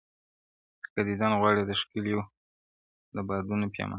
که دیدن غواړې د ښکلیو دا د بادو پیمانه ده-